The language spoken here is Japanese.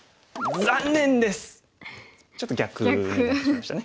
ちょっと逆になってしまいましたね。